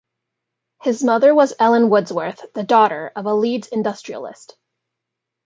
His mother was Ellen Wordsworth, the daughter of a Leeds industrialist.